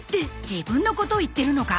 自分のことを言ってるのか？